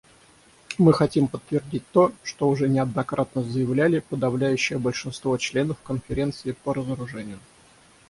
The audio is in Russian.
Мы хотим подтвердить то, что уже неоднократно заявляли подавляющее большинство членов Конференции по разоружению.